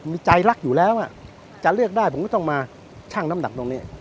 มีใจรักอยู่แล้วจะเลือกได้ผมก็ต้องมาชั่งน้ำหนักตรงนี้